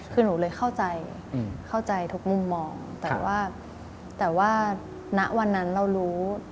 คือหนูเลยเข้าใจเข้าใจทุกมุมมองแต่ว่าแต่ว่าณวันนั้นเรารู้